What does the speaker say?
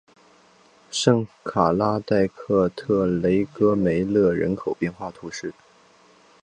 圣卡拉代克特雷戈梅勒人口变化图示